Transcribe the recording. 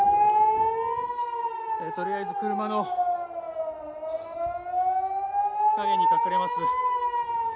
とりあえず車の陰に隠れます。